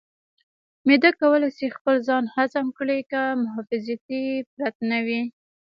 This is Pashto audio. معده کولی شي خپل ځان هضم کړي که محافظتي پرت نه وي.